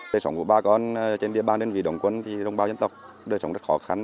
đời sống của bà con trên địa bàn đơn vị đồng quân thì đồng bào dân tộc đời sống rất khó khăn